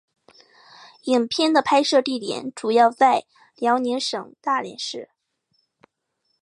影片的拍摄地点主要在辽宁省大连市。